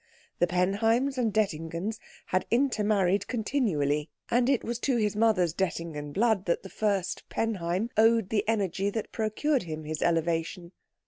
The Penheims and Dettingens had intermarried continually, and it was to his mother's Dettingen blood that the first Fürst Penheim owed the energy that procured him his elevation.